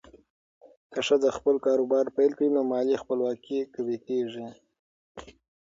که ښځه خپل کاروبار پیل کړي، نو مالي خپلواکي قوي کېږي.